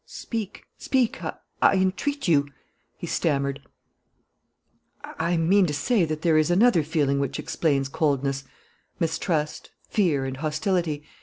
"Speak, speak, I entreat you!" he stammered. "I mean to say that there is another feeling which explains coldness, mistrust, fear, and hostility.